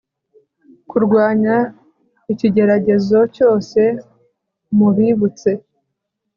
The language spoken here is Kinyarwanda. kurwanya ikigeragezo cyose Mubibutse